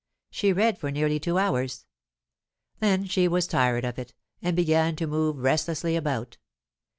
She read for nearly two hours. Then she was tired of it, and began to move restlessly about.